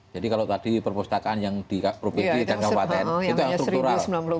jadi kalau tadi perpustakaan yang di providi dan kekuatan itu yang struktural